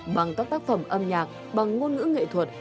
bằng các tác phẩm âm nhạc bằng ngôn ngữ nghệ thuật